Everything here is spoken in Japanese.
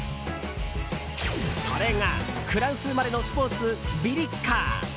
それがフランス生まれのスポーツビリッカー。